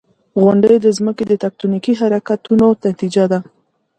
• غونډۍ د ځمکې د تکتونیکي حرکتونو نتیجه ده.